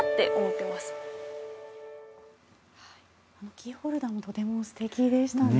キーホルダーもとても素敵でしたね。